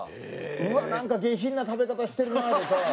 うわっなんか下品な食べ方してるなあとか。